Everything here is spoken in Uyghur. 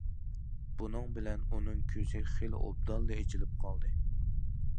بۇنىڭ بىلەن ئۇنىڭ كۆزى خېلى ئوبدانلا‹‹ ئېچىلىپ›› قالدى.